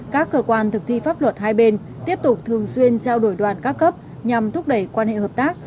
các cơ quan thực thi pháp luật hai bên tiếp tục thường xuyên trao đổi đoàn các cấp nhằm thúc đẩy quan hệ hợp tác